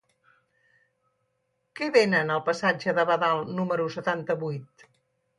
Què venen al passatge de Badal número setanta-vuit?